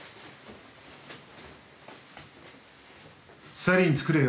サリン造れよ。